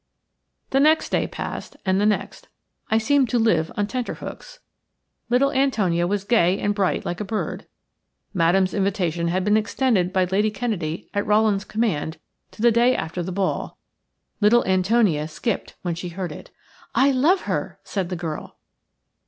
The next day passed, and the next. I seemed to live on tenter hooks. Little Antonia was gay and bright like a bird. Madame's invitation had been extended by Lady Kennedy at Rowland's command to the day after the ball – little Antonia skipped when she heard it. "I love her," said the girl.